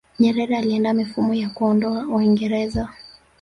nyerere aliandaa mifumo ya kuwaondoa waingereza